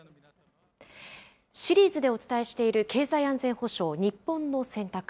シリーズでお伝えしている経済安全保障、日本の選択。